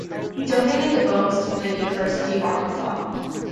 He donated the bones to the University of Arkansas.